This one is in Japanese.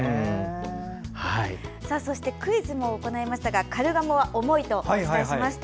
そしてクイズも行いましたがカルガモは重いとお伝えしました。